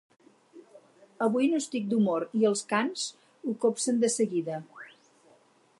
Avui no estic d'humor i els cans ho copsen de seguida.